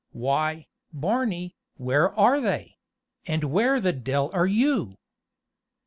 Why, Barney, where are they? and where the d l are you?"